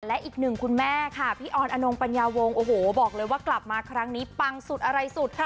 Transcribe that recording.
และอีกหนึ่งคุณแม่ค่ะพี่ออนอนงปัญญาวงโอ้โหบอกเลยว่ากลับมาครั้งนี้ปังสุดอะไรสุดค่ะ